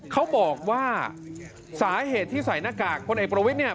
เขาบอกว่าสาเหตุที่ใส่หน้ากากพลเอกประวิทย์